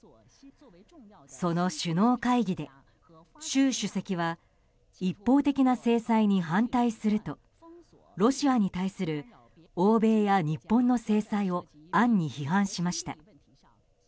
その首脳会議で習主席は一方的な制裁に反対するとロシアに対する欧米や日本の制裁を暗に批判しました。